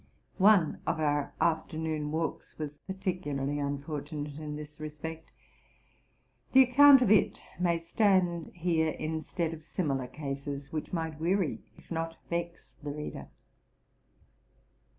One of our afternoon walks was.particularly unfortunate in this respect : the account of it may stand here instead of simi lar cases, which might weary if not vex the reader.